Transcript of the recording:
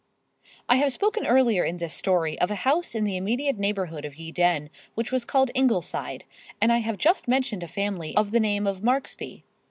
I have spoken earlier in this story of a house in the immediate neighborhood of Ye Dene which was called Ingleside, and I have just mentioned a family of the name of Marksby.